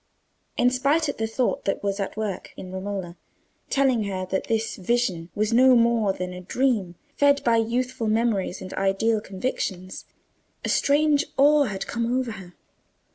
In spite of the thought that was at work in Romola, telling her that this vision was no more than a dream, fed by youthful memories and ideal convictions, a strange awe had come over her.